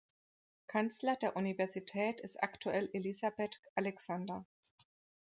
Kanzler der Universität ist aktuell Elizabeth Alexander.